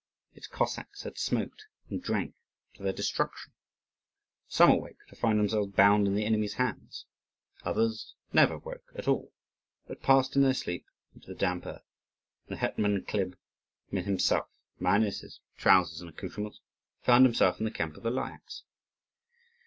Its Cossacks had smoked and drank to their destruction. Some awoke to find themselves bound in the enemy's hands; others never woke at all but passed in their sleep into the damp earth; and the hetman Khlib himself, minus his trousers and accoutrements, found himself in the camp of the Lyakhs.